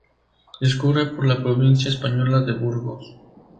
Discurre por la provincia española de Burgos.